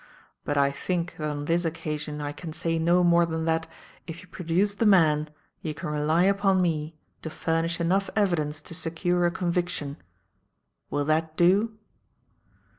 But I think, that on this occasion, I can say no more than that, if you produce the man, you can rely upon me to furnish enough evidence to secure a conviction. Will that do?"